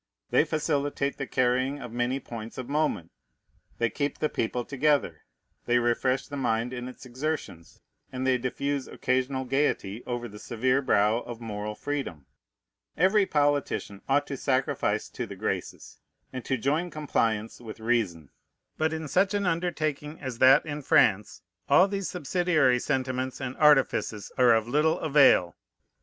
They facilitate the carrying of many points of moment; they keep the people together; they refresh the mind in its exertions; and they diffuse occasional gayety over the severe brow of moral freedom. Every politician ought to sacrifice to the Graces, and to join compliance with reason. But in such an undertaking as that in France all these subsidiary sentiments and artifices are of little avail.